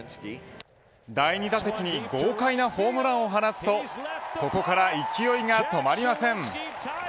第２打席に豪快なホームランを放つとここから勢いが止まりません。